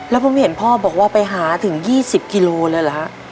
แล้วผมเห็นพ่อบอกว่าไปหาถึง๒๐กิโลเลยเหรอฮะ